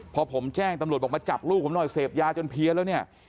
พอผมแจ้งตำรวจบอกมาจับลูกผมหน่อยเสพยาจนเพี้ยนแล้วเนี่ย